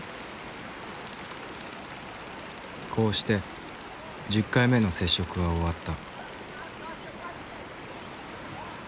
こうして１０回目の接触は終わった。